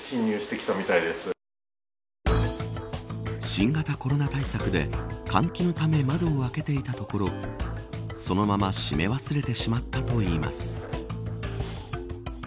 新型コロナ対策で換気のため窓を開けていたところそのまま閉め忘れてしまったといいます。